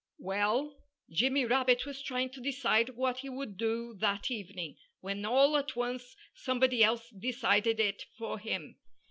Well, Jimmy Rabbit was trying to decide what he would do that evening, when all at once somebody else decided it for him.